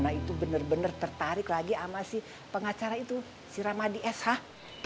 mana itu bener bener tertarik lagi sama si pengacara itu si ramadies hah